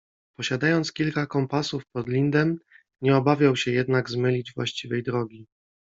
Posiadając kilka kompasów po Lindem, nie obawiał się jednak zmylić właściwej drogi.